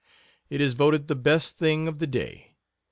It is voted the best thing of the day.